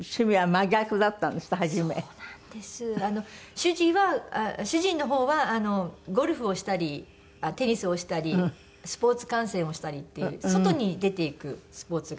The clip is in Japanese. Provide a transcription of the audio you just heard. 主人は主人の方はゴルフをしたりテニスをしたりスポーツ観戦をしたりっていう外に出て行くスポーツが。